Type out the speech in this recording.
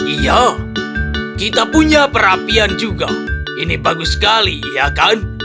iya kita punya perapian juga ini bagus sekali ya kan